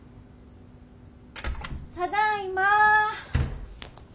ただいま。